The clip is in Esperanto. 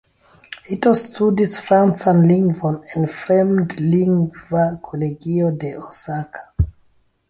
Ito studis francan lingvon en fremdlingva kolegio de Osaka.